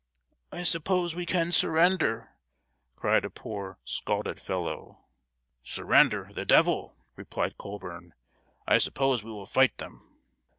"I suppose we can surrender," cried a poor, scalded fellow. "Surrender the devil!" replied Colburn. "I suppose we will fight them!"